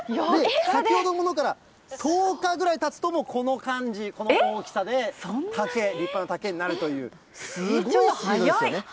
先ほどのものから１０日ぐらいたつと、もうこの感じ、この大きさで竹、立派な竹になるという、すごいスピードですよね。